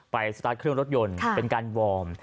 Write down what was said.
สตาร์ทเครื่องรถยนต์เป็นการวอร์ม